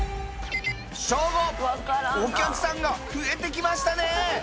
正午お客さんが増えて来ましたね